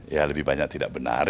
ya lebih banyak tidak benar